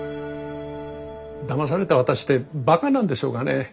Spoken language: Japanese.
だまされた私ってバカなんでしょうかね。